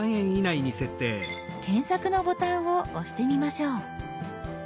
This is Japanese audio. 「検索」のボタンを押してみましょう。